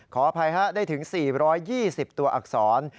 ขออภัยฮะได้ถึง๔๒๐ตัวอักษร